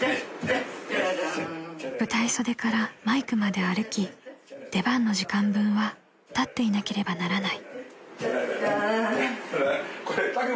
［舞台袖からマイクまで歩き出番の時間分は立っていなければならない］